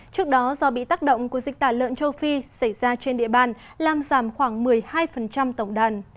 trước đó do bị tác động của dịch tả lợn châu phi xảy ra trên địa bàn làm giảm khoảng một mươi hai tổng đàn